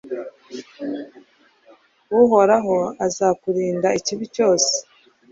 Uhoraho azakurinda ikibi cyose